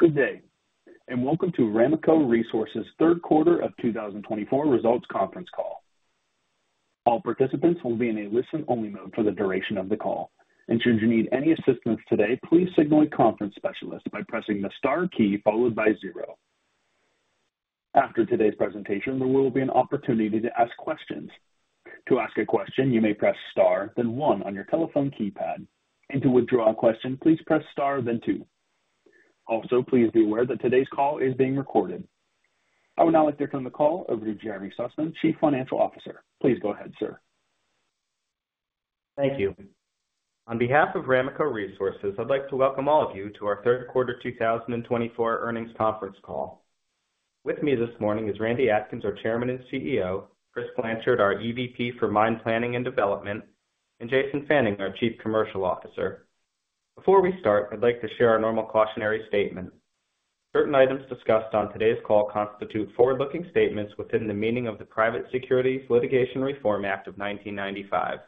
Good day, and welcome to Ramaco Resources' Third Quarter of 2024 Results Conference Call. All participants will be in a listen-only mode for the duration of the call. And should you need any assistance today, please signal a conference specialist by pressing the star key followed by zero. After today's presentation, there will be an opportunity to ask questions. To ask a question, you may press star, then one on your telephone keypad. And to withdraw a question, please press star, then two. Also, please be aware that today's call is being recorded. I would now like to turn the call over to Jeremy Sussman, Chief Financial Officer. Please go ahead, sir. Thank you. On behalf of Ramaco Resources, I'd like to welcome all of you to our Third Quarter 2024 Earnings Conference Call. With me this morning is Randy Atkins, our Chairman and CEO, Chris Blanchard, our EVP for Mine Planning and Development, and Jason Fanning, our Chief Commercial Officer. Before we start, I'd like to share our normal cautionary statement. Certain items discussed on today's call constitute forward-looking statements within the meaning of the Private Securities Litigation Reform Act of 1995.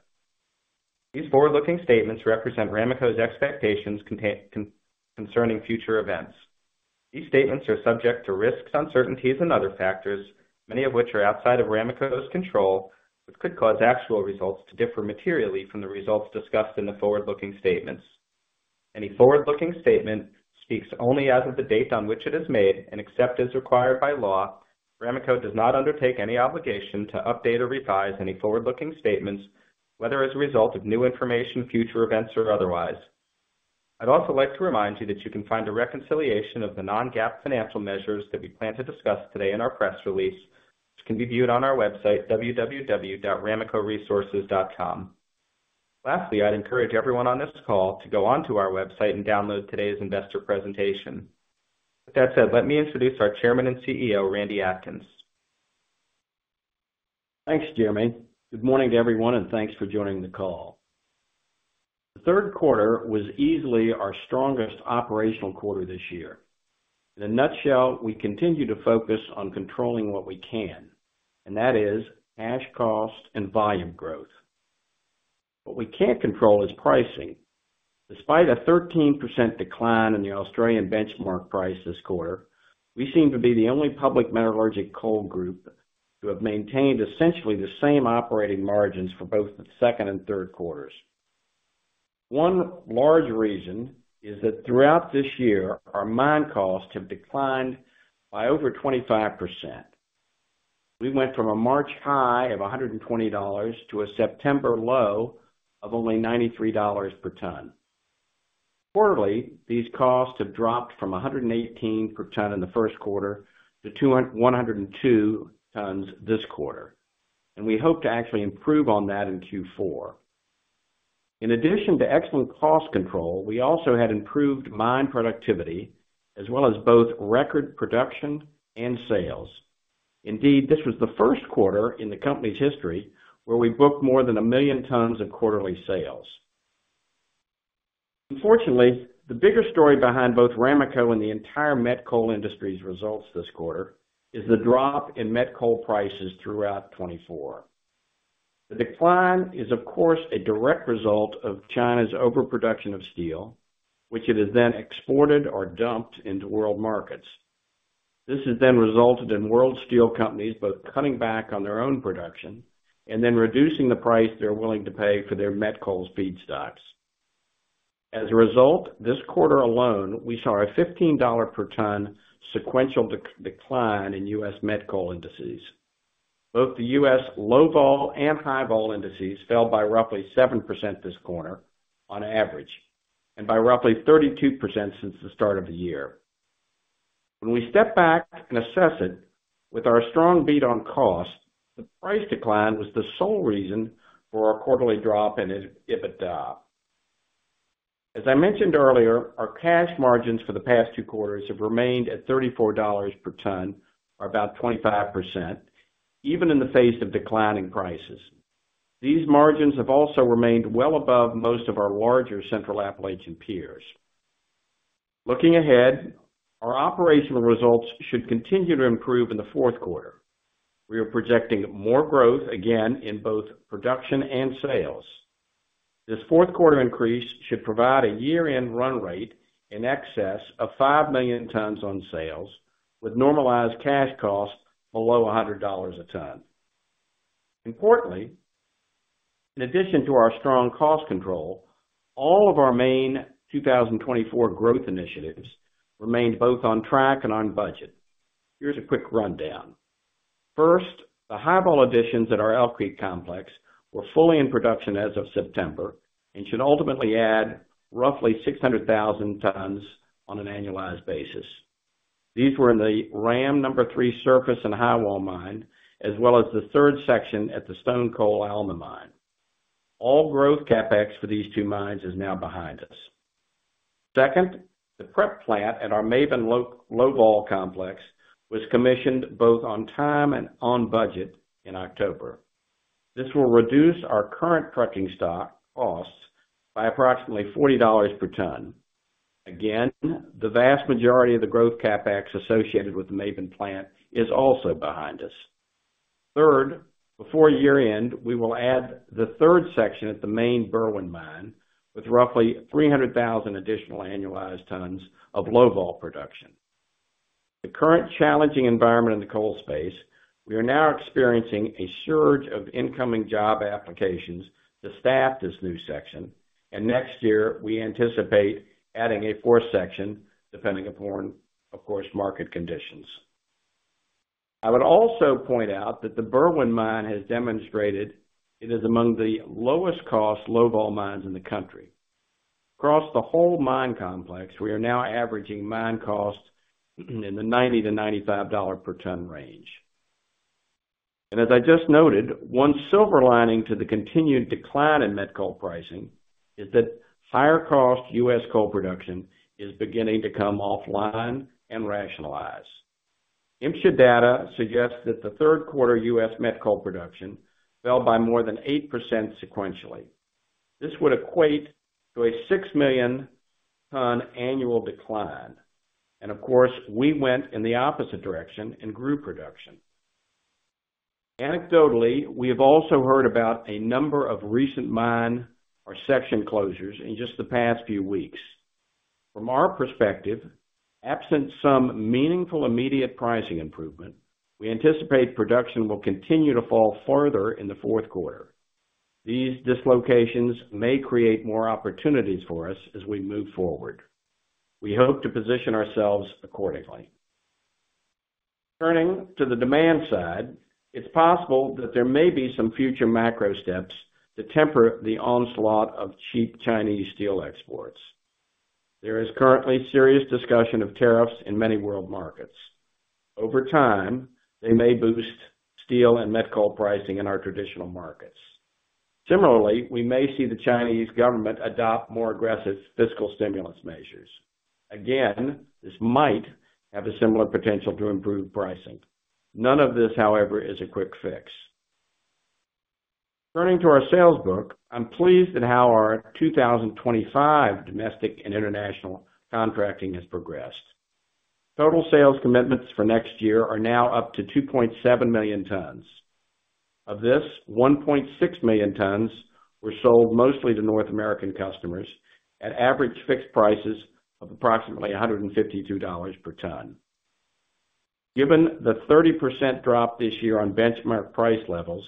These forward-looking statements represent Ramaco's expectations concerning future events. These statements are subject to risks, uncertainties, and other factors, many of which are outside of Ramaco's control, which could cause actual results to differ materially from the results discussed in the forward-looking statements. Any forward-looking statement speaks only as of the date on which it is made and except as required by law. Ramaco does not undertake any obligation to update or revise any forward-looking statements, whether as a result of new information, future events, or otherwise. I'd also like to remind you that you can find a reconciliation of the non-GAAP financial measures that we plan to discuss today in our press release, which can be viewed on our website, www.ramacoresources.com. Lastly, I'd encourage everyone on this call to go onto our website and download today's investor presentation. With that said, let me introduce our Chairman and CEO, Randy Atkins. Thanks, Jeremy. Good morning to everyone, and thanks for joining the call. The third quarter was easily our strongest operational quarter this year. In a nutshell, we continue to focus on controlling what we can, and that is cash cost and volume growth. What we can't control is pricing. Despite a 13% decline in the Australian benchmark price this quarter, we seem to be the only public metallurgical coal group to have maintained essentially the same operating margins for both the second and third quarters. One large reason is that throughout this year, our mine costs have declined by over 25%. We went from a March high of $120 to a September low of only $93 per ton. Quarterly, these costs have dropped from $118 per ton in the first quarter to $102 per ton this quarter, and we hope to actually improve on that in Q4. In addition to excellent cost control, we also had improved mine productivity, as well as both record production and sales. Indeed, this was the first quarter in the company's history where we booked more than a million tons of quarterly sales. Unfortunately, the bigger story behind both Ramaco and the entire met coal industry's results this quarter is the drop in met coal prices throughout 2024. The decline is, of course, a direct result of China's overproduction of steel, which it has then exported or dumped into world markets. This has then resulted in world steel companies both cutting back on their own production and then reducing the price they're willing to pay for their met coal feedstocks. As a result, this quarter alone, we saw a $15 per ton sequential decline in U.S. met coal indices. Both the U.S. Low-Vol and High‑Vol indices fell by roughly 7% this quarter on average and by roughly 32% since the start of the year. When we step back and assess it with our strong beat on cost, the price decline was the sole reason for our quarterly drop in EBITDA. As I mentioned earlier, our cash margins for the past two quarters have remained at $34 per ton, or about 25%, even in the face of declining prices. These margins have also remained well above most of our larger Central Appalachian peers. Looking ahead, our operational results should continue to improve in the fourth quarter. We are projecting more growth again in both production and sales. This fourth quarter increase should provide a year-end run rate in excess of five million tons on sales, with normalized cash costs below $100 a ton. Importantly, in addition to our strong cost control, all of our main 2024 growth initiatives remained both on track and on budget. Here's a quick rundown. First, the High‑Vol additions at our Elk Creek Complex were fully in production as of September and should ultimately add roughly 600,000 tons on an annualized basis. These were in the RAM No. 3 surface and High‑Vol mine, as well as the third section at the Stonecoal Alma Mine. All growth CapEx for these two mines is now behind us. Second, the prep plant at our Maben Low‑Vol complex was commissioned both on time and on budget in October. This will reduce our current trucking stock costs by approximately $40 per ton. Again, the vast majority of the growth CapEx associated with the Maben plant is also behind us. Third, before year-end, we will add the third section at the main Berwind mine, with roughly 300,000 additional annualized tons of Low‑Vol production. The current challenging environment in the coal space, we are now experiencing a surge of incoming job applications to staff this new section, and next year we anticipate adding a fourth section, depending upon, of course, market conditions. I would also point out that the Berwind mine has demonstrated it is among the lowest cost Low‑Vol mines in the country. Across the whole mine complex, we are now averaging mine costs in the $90-$95 per ton range. And as I just noted, one silver lining to the continued decline in met coal pricing is that higher cost U.S. coal production is beginning to come offline and rationalize. MSHA data suggests that the third quarter U.S. met coal production fell by more than 8% sequentially. This would equate to a 6 million ton annual decline. Of course, we went in the opposite direction in group production. Anecdotally, we have also heard about a number of recent mine or section closures in just the past few weeks. From our perspective, absent some meaningful immediate pricing improvement, we anticipate production will continue to fall further in the fourth quarter. These dislocations may create more opportunities for us as we move forward. We hope to position ourselves accordingly. Turning to the demand side, it's possible that there may be some future macro steps to temper the onslaught of cheap Chinese steel exports. There is currently serious discussion of tariffs in many world markets. Over time, they may boost steel and met coal pricing in our traditional markets. Similarly, we may see the Chinese government adopt more aggressive fiscal stimulus measures. Again, this might have a similar potential to improve pricing. None of this, however, is a quick fix. Turning to our sales book, I'm pleased at how our 2025 domestic and international contracting has progressed. Total sales commitments for next year are now up to 2.7 million tons. Of this, 1.6 million tons were sold mostly to North American customers at average fixed prices of approximately $152 per ton. Given the 30% drop this year on benchmark price levels,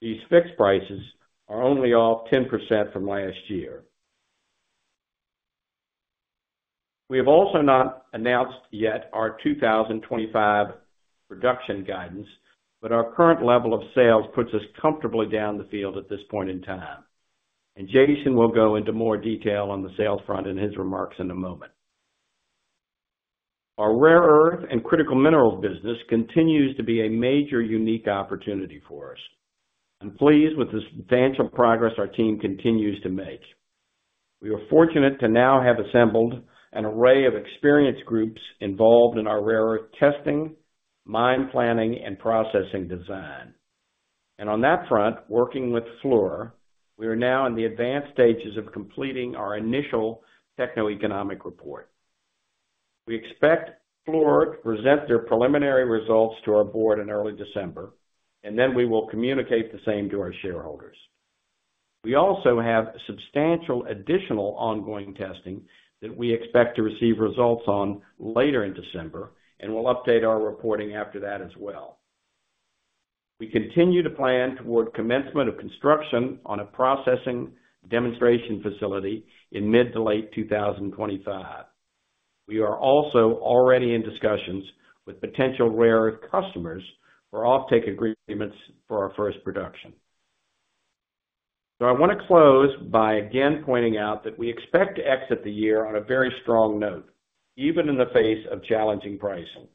these fixed prices are only off 10% from last year. We have also not announced yet our 2025 production guidance, but our current level of sales puts us comfortably down the field at this point in time. And Jason will go into more detail on the sales front in his remarks in a moment. Our rare earth and critical minerals business continues to be a major unique opportunity for us. I'm pleased with the substantial progress our team continues to make. We are fortunate to now have assembled an array of experienced groups involved in our rare earth testing, mine planning, and processing design, and on that front, working with Fluor, we are now in the advanced stages of completing our initial techno-economic report. We expect Fluor to present their preliminary results to our board in early December, and then we will communicate the same to our shareholders. We also have substantial additional ongoing testing that we expect to receive results on later in December, and we'll update our reporting after that as well. We continue to plan toward commencement of construction on a processing demonstration facility in mid to late 2025. We are also already in discussions with potential rare earth customers for offtake agreements for our first production. So I want to close by again pointing out that we expect to exit the year on a very strong note, even in the face of challenging pricing.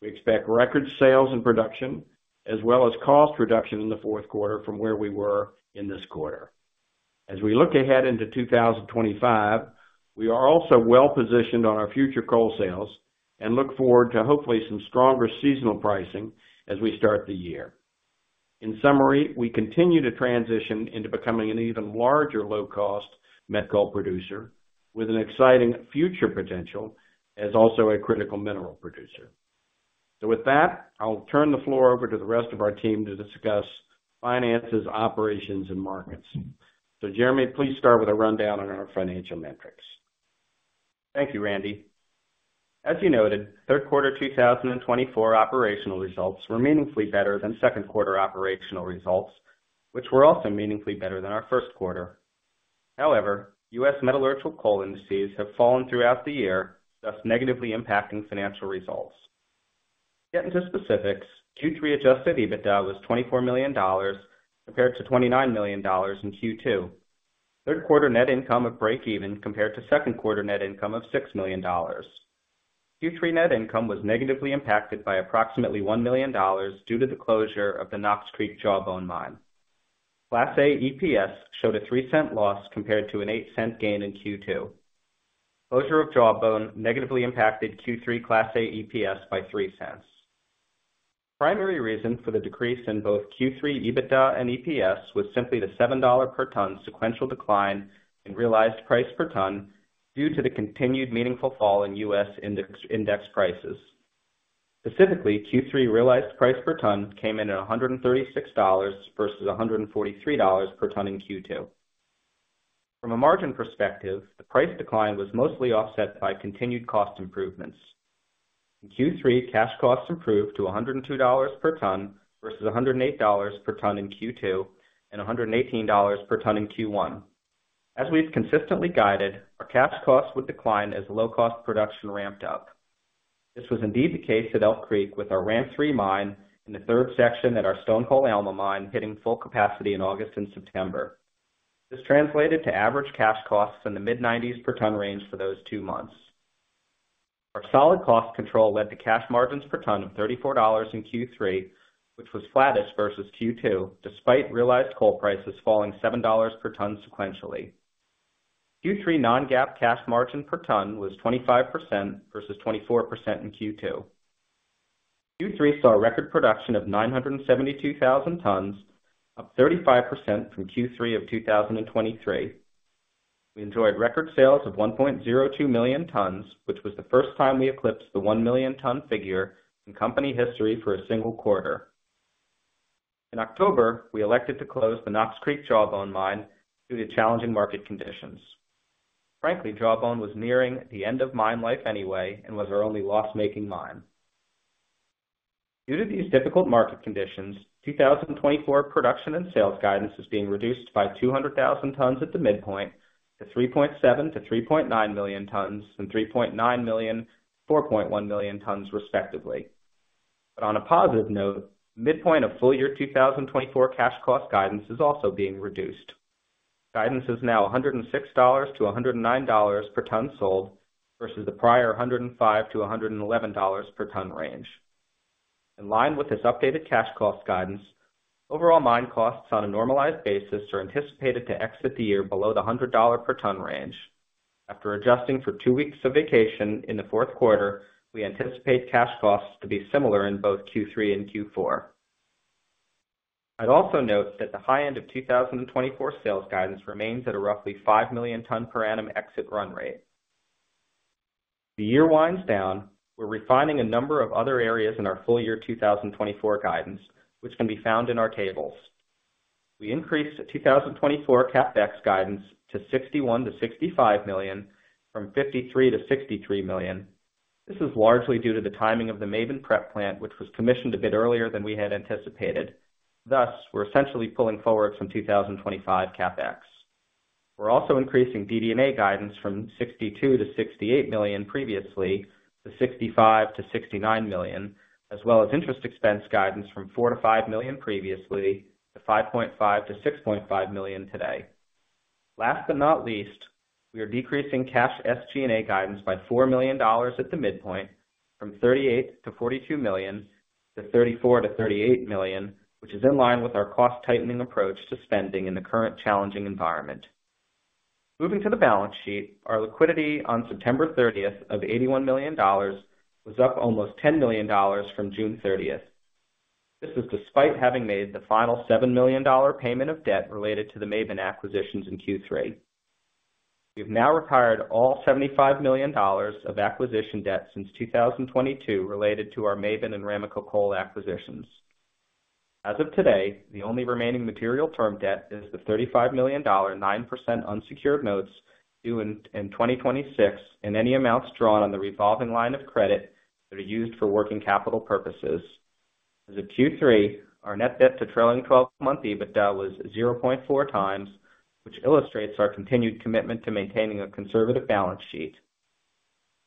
We expect record sales and production, as well as cost reduction in the fourth quarter from where we were in this quarter. As we look ahead into 2025, we are also well positioned on our future coal sales and look forward to hopefully some stronger seasonal pricing as we start the year. In summary, we continue to transition into becoming an even larger low-cost met coal producer with an exciting future potential as also a critical mineral producer. So with that, I'll turn the floor over to the rest of our team to discuss finances, operations, and markets. So Jeremy, please start with a rundown on our financial metrics. Thank you, Randy. As you noted, third quarter 2024 operational results were meaningfully better than second quarter operational results, which were also meaningfully better than our first quarter. However, U.S. metallurgical coal indices have fallen throughout the year, thus negatively impacting financial results. Getting to specifics, Q3 adjusted EBITDA was $24 million compared to $29 million in Q2. Third quarter net income of break-even compared to second quarter net income of $6 million. Q3 net income was negatively impacted by approximately $1 million due to the closure of the Knox Creek Jawbone Mine. Class A EPS showed a $0.03 loss compared to a $0.08 gain in Q2. Closure of Jawbone negatively impacted Q3 Class A EPS by $0.03. Primary reason for the decrease in both Q3 EBITDA and EPS was simply the $7 per ton sequential decline in realized price per ton due to the continued meaningful fall in U.S. index prices. Specifically, Q3 realized price per ton came in at $136 versus $143 per ton in Q2. From a margin perspective, the price decline was mostly offset by continued cost improvements. In Q3, cash costs improved to $102 per ton versus $108 per ton in Q2 and $118 per ton in Q1. As we've consistently guided, our cash costs would decline as low-cost production ramped up. This was indeed the case at Elk Creek with our RAM No. 3 Mine and the third section at our Stonecoal Alma mine hitting full capacity in August and September. This translated to average cash costs in the mid-90s per ton range for those two months. Our solid cost control led to cash margins per ton of $34 in Q3, which was flattest versus Q2, despite realized coal prices falling $7 per ton sequentially. Q3 non-GAAP cash margin per ton was 25% versus 24% in Q2. Q3 saw record production of 972,000 tons, up 35% from Q3 of 2023. We enjoyed record sales of 1.02 million tons, which was the first time we eclipsed the 1 million ton figure in company history for a single quarter. In October, we elected to close the Knox Creek Jawbone Mine due to challenging market conditions. Frankly, Jawbone was nearing the end of mine life anyway and was our only loss-making mine. Due to these difficult market conditions, 2024 production and sales guidance is being reduced by 200,000 tons at the midpoint to 3.7-3.9 million tons and 3.9-4.1 million tons, respectively. But on a positive note, midpoint of full year 2024 cash cost guidance is also being reduced. Guidance is now $106-$109 per ton sold versus the prior $105-$111 per ton range. In line with this updated cash cost guidance, overall mine costs on a normalized basis are anticipated to exit the year below the $100 per ton range. After adjusting for two weeks of vacation in the fourth quarter, we anticipate cash costs to be similar in both Q3 and Q4. I'd also note that the high end of 2024 sales guidance remains at a roughly 5 million ton per annum exit run rate. The year winds down. We're refining a number of other areas in our full year 2024 guidance, which can be found in our tables. We increased 2024 CapEx guidance to $61-$65 million from $53-$63 million. This is largely due to the timing of the Maben prep plant, which was commissioned a bit earlier than we had anticipated. Thus, we're essentially pulling forward from 2025 CapEx. We're also increasing DD&A guidance from $62 million-$68 million previously to $65 million-$69 million, as well as interest expense guidance from $4 million-$5 million previously to $5.5 million-$6.5 million today. Last but not least, we are decreasing cash SG&A guidance by $4 million at the midpoint from $38 million-$42 million to $34 millon-$38 million, which is in line with our cost-tightening approach to spending in the current challenging environment. Moving to the balance sheet, our liquidity on September 30th of $81 million was up almost $10 million from June 30th. This is despite having made the final $7 million payment of debt related to the Maben acquisitions in Q3. We have now retired all $75 million of acquisition debt since 2022 related to our Maben and Ramaco Coal acquisitions. As of today, the only remaining material term debt is the $35 million 9% unsecured notes due in 2026 and any amounts drawn on the revolving line of credit that are used for working capital purposes. As of Q3, our net debt to trailing 12-month EBITDA was 0.4x, which illustrates our continued commitment to maintaining a conservative balance sheet.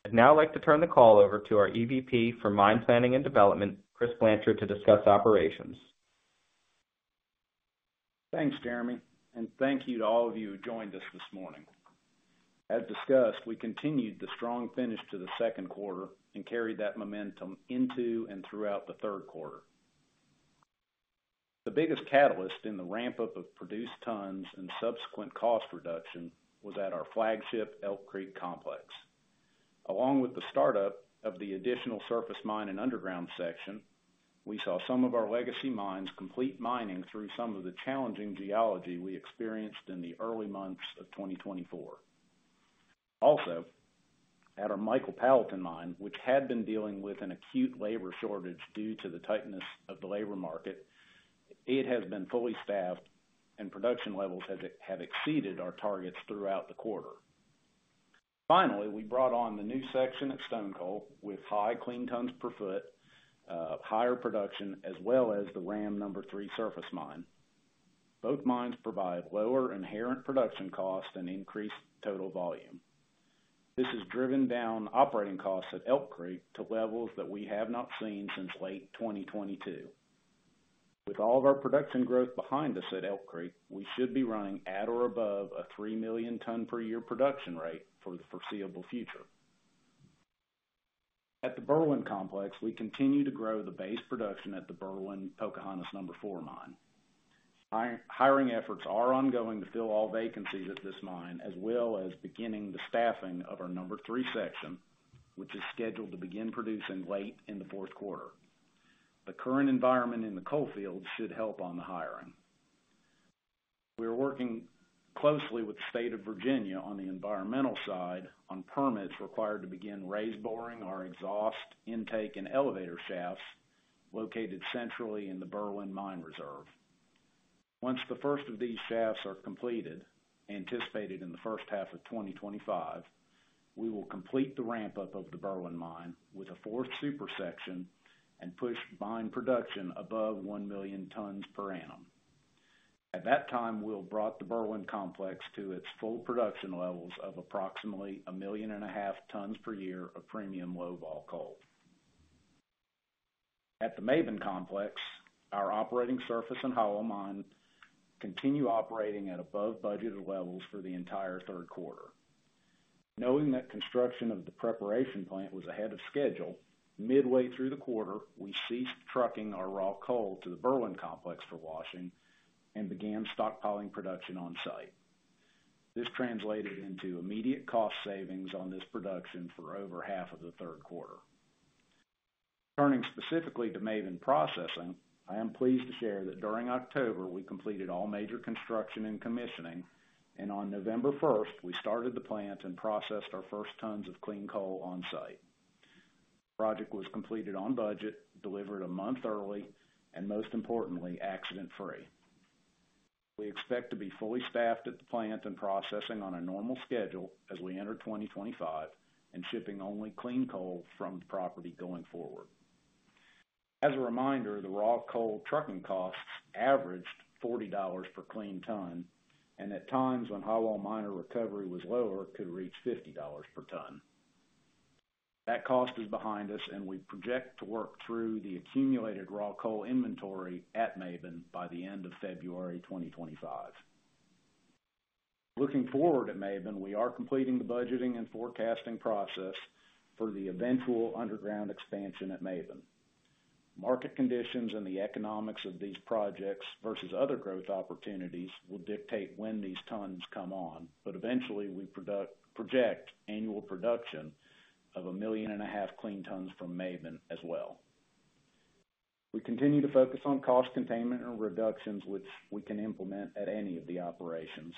I'd now like to turn the call over to our EVP for mine planning and development, Chris Blanchard, to discuss operations. Thanks, Jeremy, and thank you to all of you who joined us this morning. As discussed, we continued the strong finish to the second quarter and carried that momentum into and throughout the third quarter. The biggest catalyst in the ramp-up of produced tons and subsequent cost reduction was at our flagship Elk Creek Complex. Along with the startup of the additional surface mine and underground section, we saw some of our legacy mines complete mining through some of the challenging geology we experienced in the early months of 2024. Also, at our Michael Powellton Mine, which had been dealing with an acute labor shortage due to the tightness of the labor market, it has been fully staffed and production levels have exceeded our targets throughout the quarter. Finally, we brought on the new section at Stonecoal with high clean tons per foot, higher production, as well as the RAM No. 3 surface mine. Both mines provide lower inherent production costs and increased total volume. This has driven down operating costs at Elk Creek to levels that we have not seen since late 2022. With all of our production growth behind us at Elk Creek, we should be running at or above a 3 million ton per year production rate for the foreseeable future. At the Berwind complex, we continue to grow the base production at the Berwind Pocahontas No. 4 Mine. Hiring efforts are ongoing to fill all vacancies at this mine, as well as beginning the staffing of our number three section, which is scheduled to begin producing late in the fourth quarter. The current environment in the coal field should help on the hiring. We are working closely with the state of Virginia on the environmental side on permits required to begin raise boring our exhaust intake and elevator shafts located centrally in the Berwind mine reserve. Once the first of these shafts are completed, anticipated in the first half of 2025, we will complete the ramp-up of the Berwind mine with a fourth super section and push mine production above 1 million tons per annum. At that time, we'll bring the Berwind complex to its full production levels of approximately 1.5 million tons per year of premium Low‑Vol coal. At the Maben Complex, our operating surface and Highwall mine continue operating at above budgeted levels for the entire third quarter. Knowing that construction of the preparation plant was ahead of schedule, midway through the quarter, we ceased trucking our raw coal to the Berwind Complex for washing and began stockpiling production on site. This translated into immediate cost savings on this production for over half of the third quarter. Turning specifically to Maben processing, I am pleased to share that during October, we completed all major construction and commissioning, and on November 1st, we started the plant and processed our first tons of clean coal on site. The project was completed on budget, delivered a month early, and most importantly, accident-free. We expect to be fully staffed at the plant and processing on a normal schedule as we enter 2025 and shipping only clean coal from the property going forward. As a reminder, the raw coal trucking costs averaged $40 per clean ton, and at times when Highwall mine recovery was lower, it could reach $50 per ton. That cost is behind us, and we project to work through the accumulated raw coal inventory at Maben by the end of February 2025. Looking forward at Maben, we are completing the budgeting and forecasting process for the eventual underground expansion at Maben. Market conditions and the economics of these projects versus other growth opportunities will dictate when these tons come on, but eventually we project annual production of 1.5 million clean tons from Maben as well. We continue to focus on cost containment and reductions, which we can implement at any of the operations.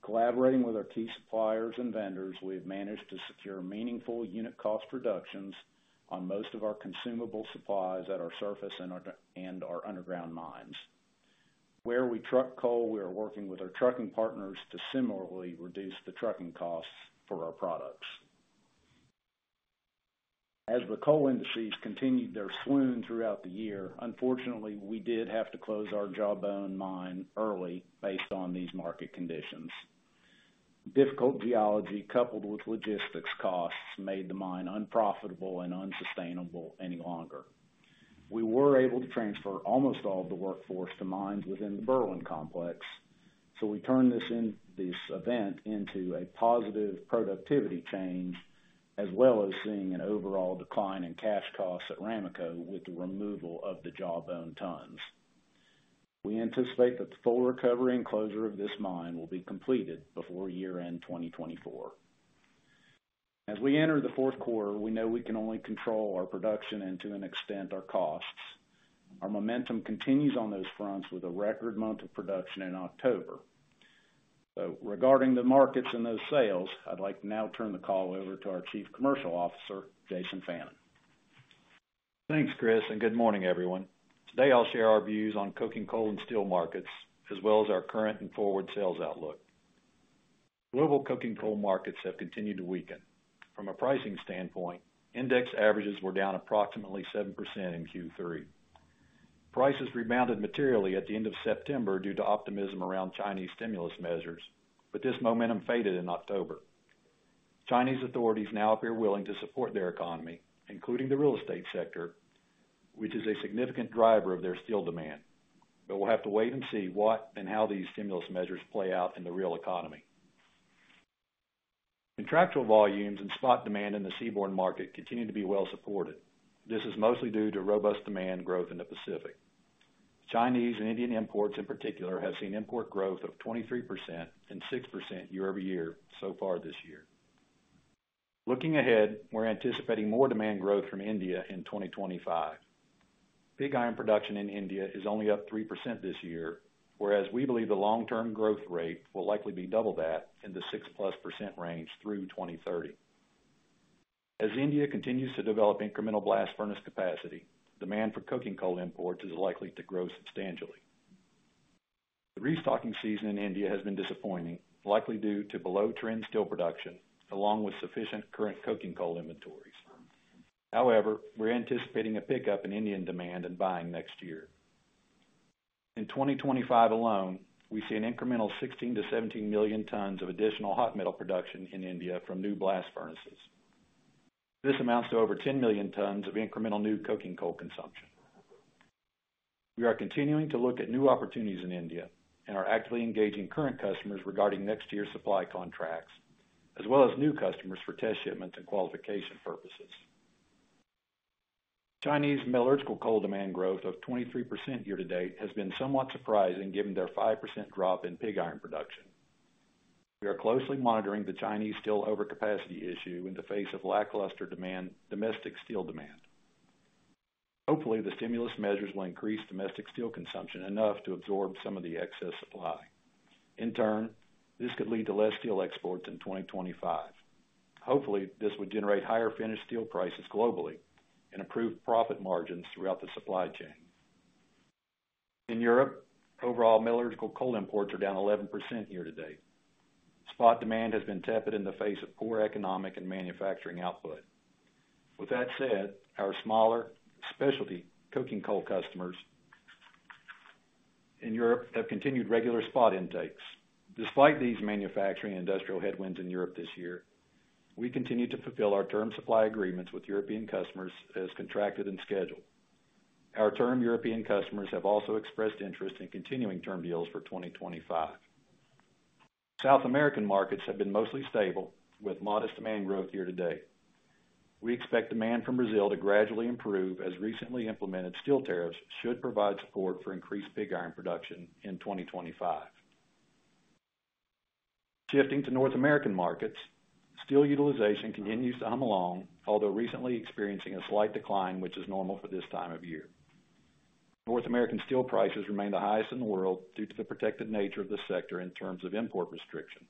Collaborating with our key suppliers and vendors, we have managed to secure meaningful unit cost reductions on most of our consumable supplies at our surface and our underground mines. Where we truck coal, we are working with our trucking partners to similarly reduce the trucking costs for our products. As the coal indices continued their swoon throughout the year, unfortunately, we did have to close our Jawbone mine early based on these market conditions. Difficult geology coupled with logistics costs made the mine unprofitable and unsustainable any longer. We were able to transfer almost all of the workforce to mines within the Berwind Complex, so we turned this event into a positive productivity change, as well as seeing an overall decline in cash costs at Ramaco with the removal of the Jawbone tons. We anticipate that the full recovery and closure of this mine will be completed before year-end 2024. As we enter the fourth quarter, we know we can only control our production and to an extent our costs. Our momentum continues on those fronts with a record month of production in October. So regarding the markets and those sales, I'd like to now turn the call over to our Chief Commercial Officer, Jason Fanning. Thanks, Chris, and good morning, everyone. Today, I'll share our views on coking coal and steel markets, as well as our current and forward sales outlook. Global coking coal markets have continued to weaken. From a pricing standpoint, index averages were down approximately 7% in Q3. Prices rebounded materially at the end of September due to optimism around Chinese stimulus measures, but this momentum faded in October. Chinese authorities now appear willing to support their economy, including the real estate sector, which is a significant driver of their steel demand, but we'll have to wait and see what and how these stimulus measures play out in the real economy. Contractual volumes and spot demand in the seaborne market continue to be well supported. This is mostly due to robust demand growth in the Pacific. Chinese and Indian imports, in particular, have seen import growth of 23% and 6% year-over-year so far this year. Looking ahead, we're anticipating more demand growth from India in 2025. Pig iron production in India is only up 3% this year, whereas we believe the long-term growth rate will likely be double that in the 6%+ through 2030. As India continues to develop incremental blast furnace capacity, demand for coking coal imports is likely to grow substantially. The restocking season in India has been disappointing, likely due to below-trend steel production, along with sufficient current coking coal inventories. However, we're anticipating a pickup in Indian demand and buying next year. In 2025 alone, we see an incremental 16 million-17 million tons of additional hot metal production in India from new blast furnaces. This amounts to over 10 million tons of incremental new coking coal consumption. We are continuing to look at new opportunities in India and are actively engaging current customers regarding next year's supply contracts, as well as new customers for test shipments and qualification purposes. Chinese metallurgical coal demand growth of 23% year-to-date has been somewhat surprising given their 5% drop in pig iron production. We are closely monitoring the Chinese steel overcapacity issue in the face of lackluster domestic steel demand. Hopefully, the stimulus measures will increase domestic steel consumption enough to absorb some of the excess supply. In turn, this could lead to less steel exports in 2025. Hopefully, this would generate higher finished steel prices globally and improve profit margins throughout the supply chain. In Europe, overall metallurgical coal imports are down 11% year-to-date. Spot demand has been tepid in the face of poor economic and manufacturing output. With that said, our smaller specialty coking coal customers in Europe have continued regular spot intakes. Despite these manufacturing and industrial headwinds in Europe this year, we continue to fulfill our term supply agreements with European customers as contracted and scheduled. Our term European customers have also expressed interest in continuing term deals for 2025. South American markets have been mostly stable with modest demand growth year-to-date. We expect demand from Brazil to gradually improve as recently implemented steel tariffs should provide support for increased pig iron production in 2025. Shifting to North American markets, steel utilization continues to hum along, although recently experiencing a slight decline, which is normal for this time of year. North American steel prices remain the highest in the world due to the protected nature of the sector in terms of import restrictions.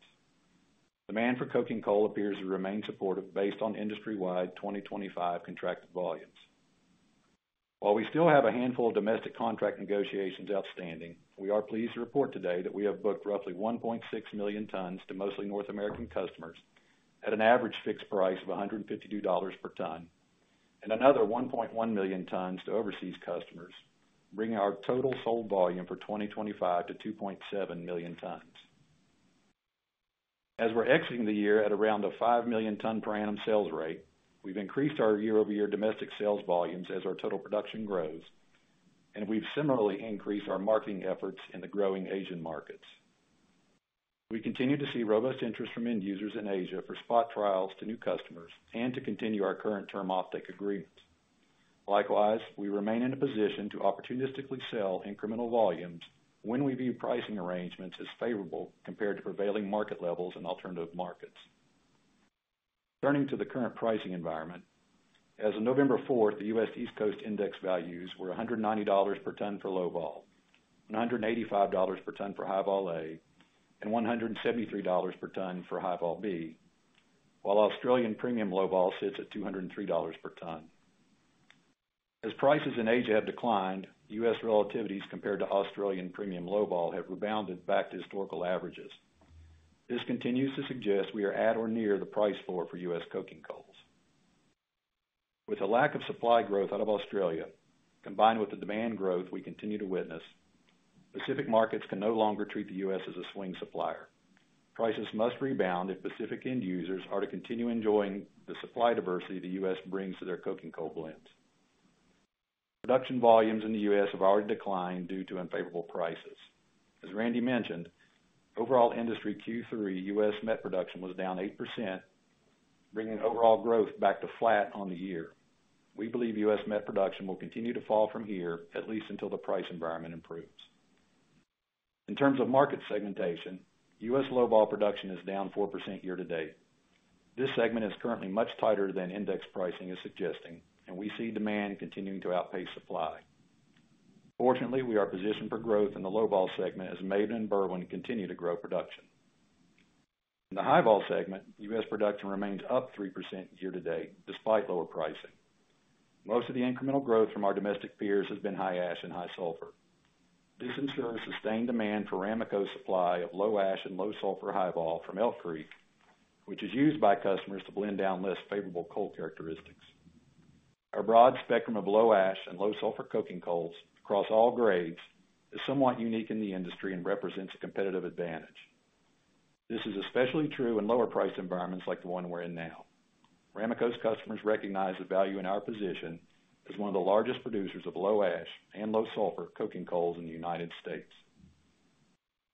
Demand for coking coal appears to remain supportive based on industry-wide 2025 contracted volumes. While we still have a handful of domestic contract negotiations outstanding, we are pleased to report today that we have booked roughly 1.6 million tons to mostly North American customers at an average fixed price of $152 per ton and another 1.1 million tons to overseas customers, bringing our total sold volume for 2025 to 2.7 million tons. As we're exiting the year at around a 5 million ton per annum sales rate, we've increased our year-over-year domestic sales volumes as our total production grows, and we've similarly increased our marketing efforts in the growing Asian markets. We continue to see robust interest from end users in Asia for spot trials to new customers and to continue our current term offtake agreements. Likewise, we remain in a position to opportunistically sell incremental volumes when we view pricing arrangements as favorable compared to prevailing market levels and alternative markets. Turning to the current pricing environment, as of November 4th, the U.S. East Coast index values were $190 per ton for Low‑Vol, $185 per ton for High‑Vol A, and $173 per ton for High‑Vol B, while Australian premium Low‑Vol sits at $203 per ton. As prices in Asia have declined, U.S. relativities compared to Australian premium Low‑Vol have rebounded back to historical averages. This continues to suggest we are at or near the price floor for U.S. coking coals. With the lack of supply growth out of Australia, combined with the demand growth we continue to witness, Pacific markets can no longer treat the U.S. as a swing supplier. Prices must rebound if Pacific end users are to continue enjoying the supply diversity the U.S. brings to their coking coal blends. Production volumes in the U.S. have already declined due to unfavorable prices. As Randy mentioned, overall industry Q3 U.S. met production was down 8%, bringing overall growth back to flat on the year. We believe U.S. met production will continue to fall from here at least until the price environment improves. In terms of market segmentation, U.S. Low‑Vol production is down 4% year-to-date. This segment is currently much tighter than index pricing is suggesting, and we see demand continuing to outpace supply. Fortunately, we are positioned for growth in the Low‑Vol segment as Maben and Berwind continue to grow production. In the High‑Vol segment, U.S. production remains up 3% year-to-date despite lower pricing. Most of the incremental growth from our domestic peers has been high ash and high sulfur. This ensures sustained demand for Ramaco supply of low ash and low sulfur High‑Vol from Elk Creek, which is used by customers to blend down less favorable coal characteristics. Our broad spectrum of low ash and low sulfur coking coals across all grades is somewhat unique in the industry and represents a competitive advantage. This is especially true in lower price environments like the one we're in now. Ramaco's customers recognize the value in our position as one of the largest producers of low ash and low sulfur coking coals in the United States.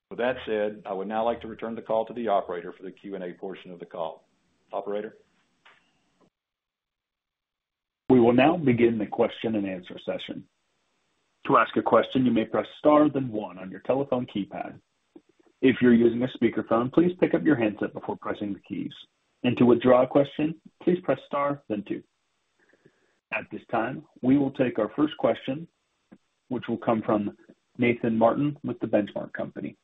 With that said, I would now like to return the call to the operator for the Q&A portion of the call. Operator. We will now begin the question and answer session. To ask a question, you may press star then one on your telephone keypad. If you're using a speakerphone, please pick up your handset before pressing the keys. And to withdraw a question, please press star then two. At this time, we will take our first question, which will come from Nathan Martin with The Benchmark Company.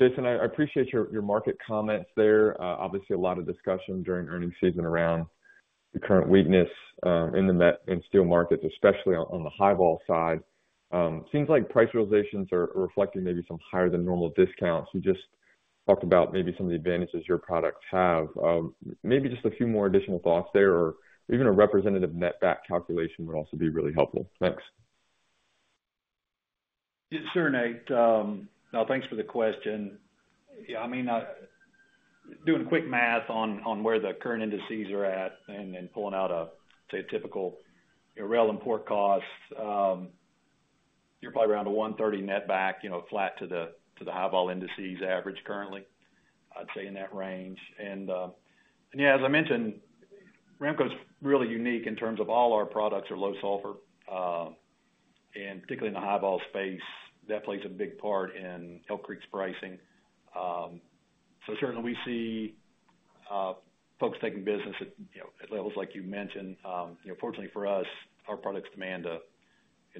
Jason, I appreciate your market comments there. Obviously, a lot of discussion during earnings season around the current weakness in the met and steel markets, especially on the High‑Vol side. Seems like price realizations are reflecting maybe some higher than normal discounts. You just talked about maybe some of the advantages your products have? Maybe just a few more additional thoughts there or even a representative netback calculation would also be really helpful? Thanks. Sure, Nate. No, thanks for the question. Yeah, I mean, doing quick math on where the current indices are at and pulling out a typical rail import cost, you're probably around a $130 netback, flat to the High‑Vol indices average currently, I'd say in that range. And yeah, as I mentioned, Ramaco's really unique in terms of all our products are low sulfur, and particularly in the High‑Vol space, that plays a big part in Elk Creek's pricing. So certainly we see folks taking business at levels like you mentioned. Fortunately for us, our products demand a,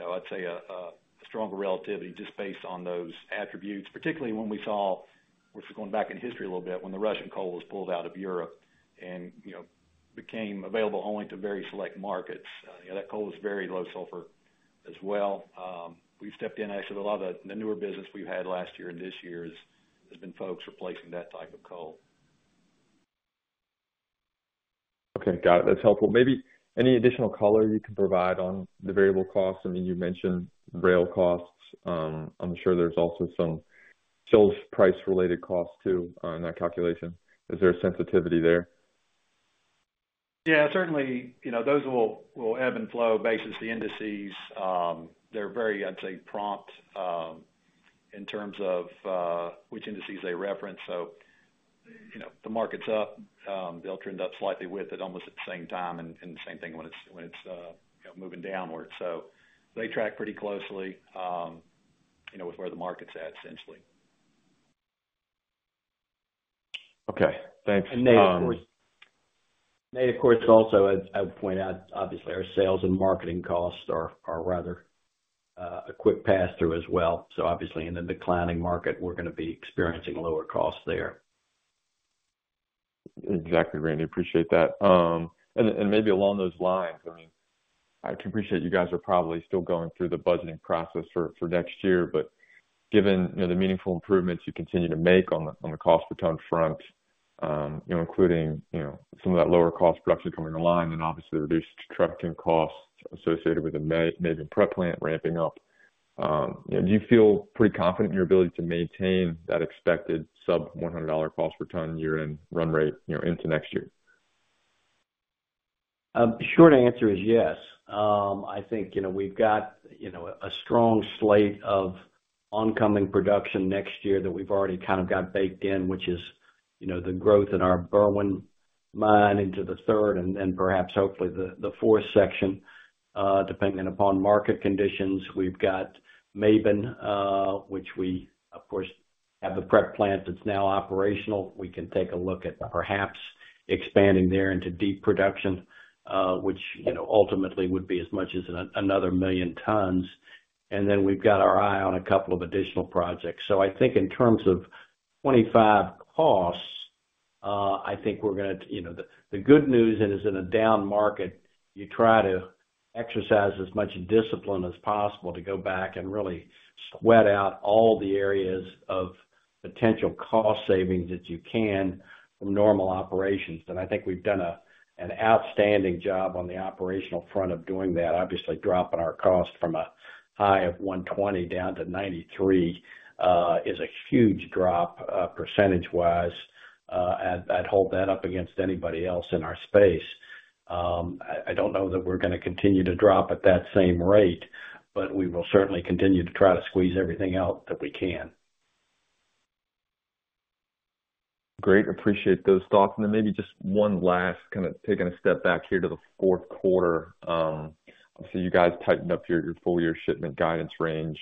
I'd say, a stronger relativity just based on those attributes, particularly when we saw, we're just going back in history a little bit when the Russian coal was pulled out of Europe and became available only to very select markets. That coal is very low sulfur as well. We stepped in, actually, a lot of the newer business we've had last year and this year has been folks replacing that type of coal. Okay, got it. That's helpful. Maybe any additional color you can provide on the variable costs? I mean, you mentioned rail costs. I'm sure there's also some sales price-related costs too in that calculation. Is there a sensitivity there? Yeah, certainly those will ebb and flow based on the indices. They're very, I'd say, prompt in terms of which indices they reference. So the market's up, they'll trend up slightly with it almost at the same time and the same thing when it's moving downward. So they track pretty closely with where the market's at essentially. Okay, thanks. And Nate. Of course. Nate, of course, also, I would point out, obviously, our sales and marketing costs are rather a quick pass-through as well. So obviously, in the declining market, we're going to be experiencing lower costs there. Exactly, Randy. Appreciate that. And maybe along those lines, I mean, I appreciate you guys are probably still going through the budgeting process for next year, but given the meaningful improvements you continue to make on the cost per ton front, including some of that lower cost production coming online, and obviously reduced trucking costs associated with the maybe prep plant ramping up, do you feel pretty confident in your ability to maintain that expected sub-$100 cost per ton year-end run rate into next year? Short answer is yes. I think we've got a strong slate of oncoming production next year that we've already kind of got baked in, which is the growth in our Berwind mine into the third and perhaps hopefully the fourth section. Depending upon market conditions, we've got Maben, which we, of course, have the prep plant that's now operational. We can take a look at perhaps expanding there into deep production, which ultimately would be as much as another million tons. And then we've got our eye on a couple of additional projects. So I think in terms of 2025 costs, I think we're going to. The good news is in a down market, you try to exercise as much discipline as possible to go back and really sweat out all the areas of potential cost savings that you can from normal operations. And I think we've done an outstanding job on the operational front of doing that. Obviously, dropping our cost from a high of $120 down to $93 is a huge drop percentage-wise. I'd hold that up against anybody else in our space. I don't know that we're going to continue to drop at that same rate, but we will certainly continue to try to squeeze everything out that we can. Great. Appreciate those thoughts. And then maybe just one last kind of taking a step back here to the fourth quarter. I see you guys tightened up your full-year shipment guidance range.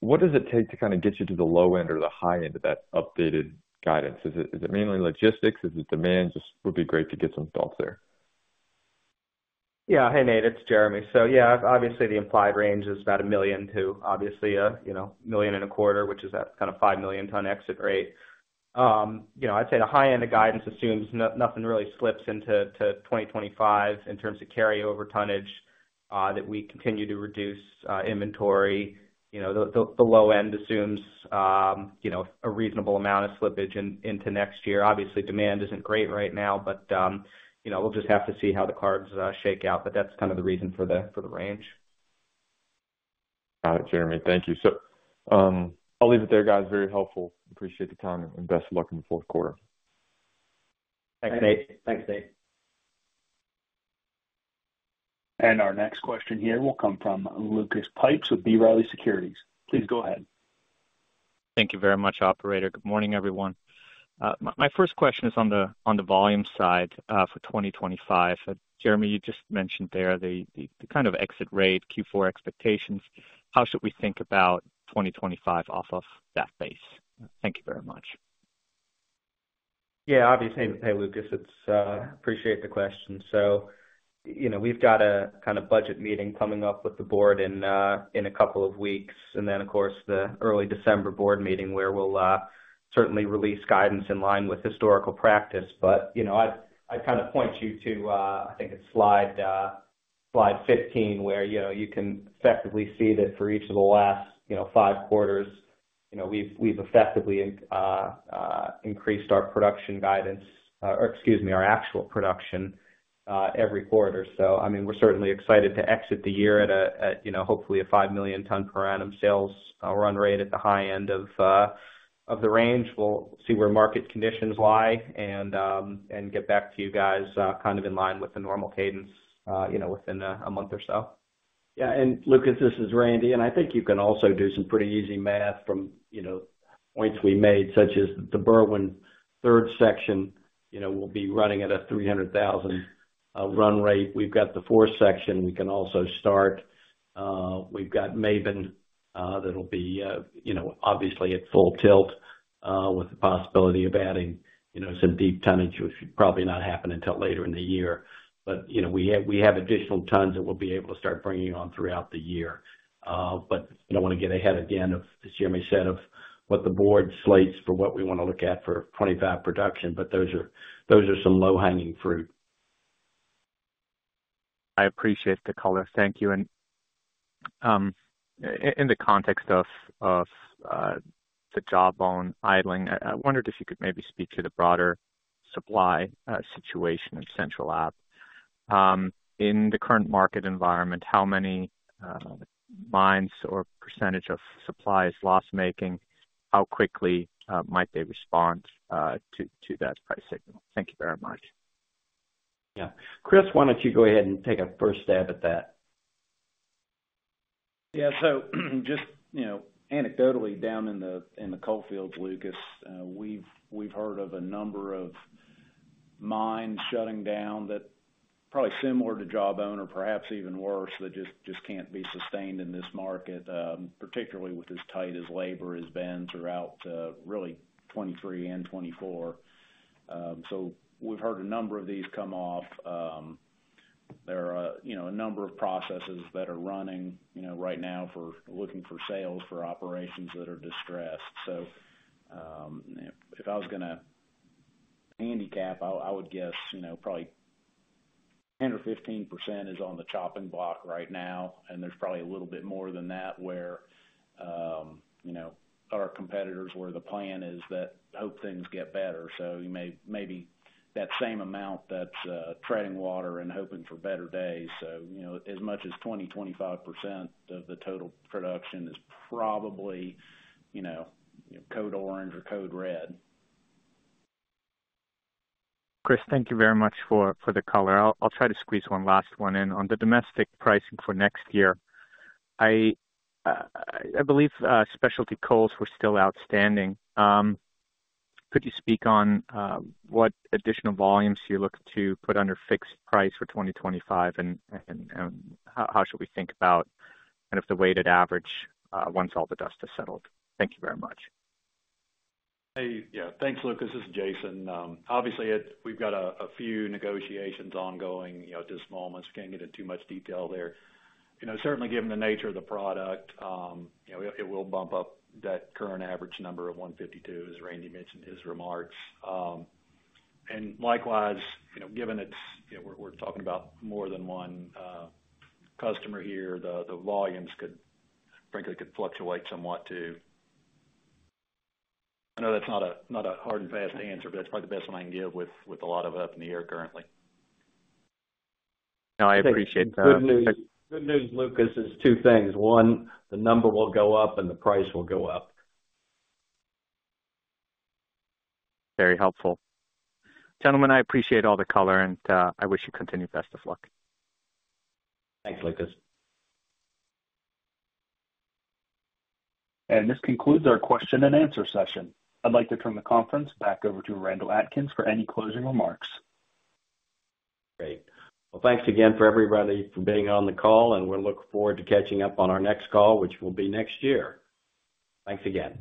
What does it take to kind of get you to the low end or the high end of that updated guidance? Is it mainly logistics? Is it demand? Just would be great to get some thoughts there. Yeah. Hey, Nate, it's Jeremy. So yeah, obviously the implied range is about 1 million to obviously 1.25 million, which is that kind of 5 million ton exit rate. I'd say the high end of guidance assumes nothing really slips into 2025 in terms of carryover tonnage that we continue to reduce inventory. The low end assumes a reasonable amount of slippage into next year. Obviously, demand isn't great right now, but we'll just have to see how the cards shake out. But that's kind of the reason for the range. Got it, Jeremy. Thank you. So I'll leave it there, guys. Very helpful. Appreciate the time and best of luck in the fourth quarter. Thanks, Nate. Thanks, Nate. Our next question here will come from Lucas Pipes with B. Riley Securities. Please go ahead. Thank you very much, Operator. Good morning, everyone. My first question is on the volume side for 2025. Jeremy, you just mentioned there the kind of exit rate, Q4 expectations. How should we think about 2025 off of that base? Thank you very much. Yeah, obviously. Hey, Lucas, I appreciate the question. So we've got a kind of budget meeting coming up with the board in a couple of weeks. And then, of course, the early December board meeting where we'll certainly release guidance in line with historical practice. But I'd kind of point you to, I think it's slide 15, where you can effectively see that for each of the last five quarters, we've effectively increased our production guidance, or excuse me, our actual production every quarter. So I mean, we're certainly excited to exit the year at hopefully a 5 million ton per annum sales run rate at the high end of the range. We'll see where market conditions lie and get back to you guys kind of in line with the normal cadence within a month or so. Yeah. And Lucas, this is Randy. I think you can also do some pretty easy math from points we made, such as the Berwind third section will be running at a 300,000 run rate. We've got the fourth section. We can also start. We've got Maben that'll be obviously at full tilt with the possibility of adding some deep tonnage, which will probably not happen until later in the year. But we have additional tons that we'll be able to start bringing on throughout the year. But I don't want to get ahead again of, as Jeremy said, of what the board slates for what we want to look at for 2025 production, but those are some low-hanging fruit. I appreciate the color. Thank you. In the context of the Jawbone idling, I wondered if you could maybe speak to the broader supply situation in Central Appalachia? In the current market environment, how many mines or percentage of supply is lost making? How quickly might they respond to that price signal? Thank you very much. Yeah. Chris, why don't you go ahead and take a first stab at that? Yeah. So just anecdotally down in the coalfields, Lucas, we've heard of a number of mines shutting down that are probably similar to Jawbone, or perhaps even worse, that just can't be sustained in this market, particularly with as tight as labor has been throughout really 2023 and 2024. So we've heard a number of these come off. There are a number of processes that are running right now for looking for sales for operations that are distressed. So if I was going to handicap, I would guess probably 10% or 15% is on the chopping block right now. And there's probably a little bit more than that where our competitors, where the plan is that hope things get better. So maybe that same amount that's treading water and hoping for better days. As much as 20%-25% of the total production is probably code orange or code red. Chris, thank you very much for the color. I'll try to squeeze one last one in. On the domestic pricing for next year, I believe specialty coals were still outstanding. Could you speak on what additional volumes you look to put under fixed price for 2025, and how should we think about kind of the weighted average once all the dust has settled? Thank you very much. Hey, yeah, thanks, Lucas. This is Jason. Obviously, we've got a few negotiations ongoing at this moment. We can't get into too much detail there. Certainly, given the nature of the product, it will bump up that current average number of $152, as Randy mentioned in his remarks. And likewise, given we're talking about more than one customer here, the volumes could frankly fluctuate somewhat too. I know that's not a hard and fast answer, but that's probably the best one I can give with a lot of it up in the air currently. Now, I appreciate that. Good news, Lucas, is two things. One, the number will go up and the price will go up. Very helpful. Gentlemen, I appreciate all the color, and I wish you continued best of luck. Thanks, Lucas. This concludes our question and answer session. I'd like to turn the conference back over to Randall Atkins for any closing remarks. Great. Well, thanks again for everybody for being on the call, and we're looking forward to catching up on our next call, which will be next year. Thanks again.